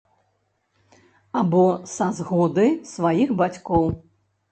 Або са згоды сваіх бацькоў.